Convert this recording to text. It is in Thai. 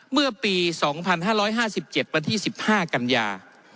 เมื่อปี๒๕๕๗ป๑๕กัญญา